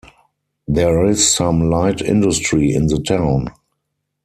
There is some light industry in the town.